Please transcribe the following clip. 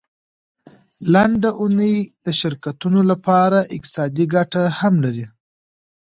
لنډه اونۍ د شرکتونو لپاره اقتصادي ګټه هم لري.